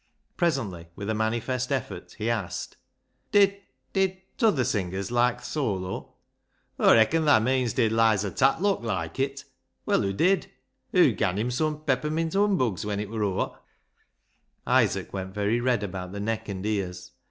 Presently, with a manifest effort, he asked — "Did — did — t'other singers loike th' solo?" "Aw reacon thaa meeans did Lizer Tatlock loike it? Well, hoo did. Hoo gan him some peppermint humbugs when it wur o'er." Isaac went very red about the neck and ears.